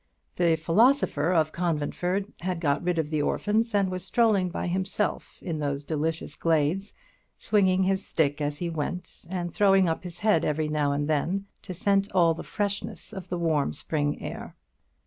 The philosopher of Conventford had got rid of the orphans, and was strolling by himself in those delicious glades, swinging his stick as he went, and throwing up his head every now and then to scent all the freshness of the warm spring air.